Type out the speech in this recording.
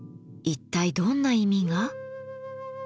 一体どんな意味が？